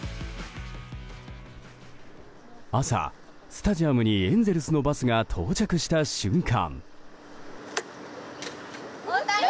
朝、スタジアムにエンゼルスのバスが到着した瞬間。